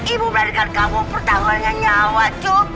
ibu melarikan kamu pertahankannya nyawa cep